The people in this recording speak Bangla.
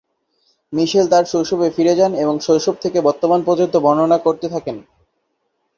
মিশেল তার শৈশবে ফিরে যান এবং শৈশব থেকে বর্তমান পর্যন্ত বর্ণনা করতে থাকেন।